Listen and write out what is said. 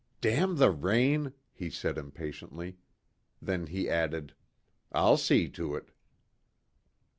"Damn the rain," he said impatiently. Then he added, "I'll see to it."